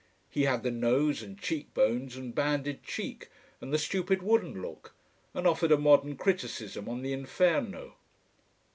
He had the nose and cheek bones and banded cheek, and the stupid wooden look, and offered a modern criticism on the Inferno.